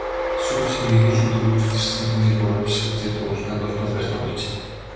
Шүүгчид Мигелийн түрүүлж үсэрсэн нь түүний буруу биш гэж үзээд уралдаанд долдугаарт байрт оруулжээ.